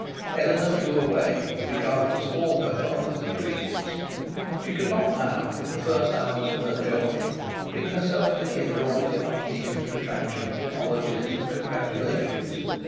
Eleanor fled away, regardless of all her father's entreaties. She could not now, in the first hours of her joy, bring herself to bear all the archdeacon's retractions, apologies, and congratulations.